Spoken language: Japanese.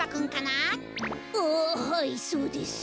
ああはいそうです。